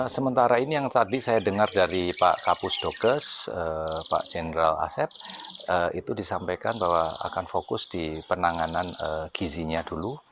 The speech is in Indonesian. sementara ini yang tadi saya dengar dari pak kapus dokes pak jenderal asep itu disampaikan bahwa akan fokus di penanganan gizinya dulu